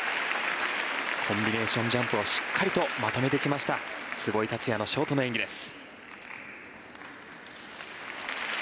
コンビネーションジャンプをしっかりとまとめてきました壷井達也のショートの演技です。